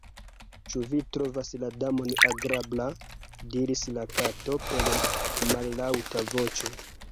"Ĉu vi trovas la Damon agrabla?" diris la Kato per mallaŭta voĉo.